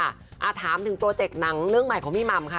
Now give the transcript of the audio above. ถามถึงโปรเจกต์หนังเรื่องใหม่ของพี่หม่ำค่ะ